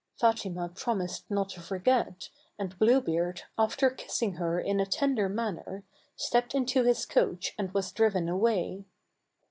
Fatima promised not to forget, and Blue Beard, after kiss ing her in a tender manner, stepped into his coach and was driven away.